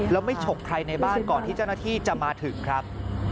แล้วไม่ฉกใครในบ้านก่อนที่เจ้าหน้าที่จะมาถึงครับ